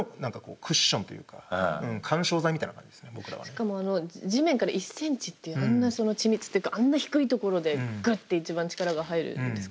しかも地面から１ｃｍっていうあんなその緻密というかあんな低いところでグッて一番力が入るんですか？